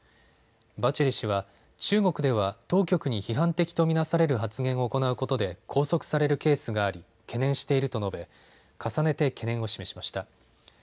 バチェレ氏は中国では当局に批判的と見なされる発言を行うことで拘束されるケースがあり懸念していると述べ、重ねて懸念を示しました。